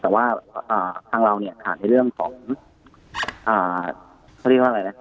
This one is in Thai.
แต่ว่าทางเราเนี่ยผ่านในเรื่องของเขาเรียกว่าอะไรนะ